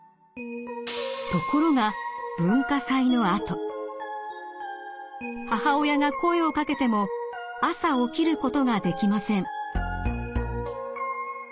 ところが母親が声をかけても朝起きることができません。